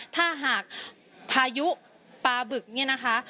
ถ้าหากพายุปลาบึกเนี่ยนะคะ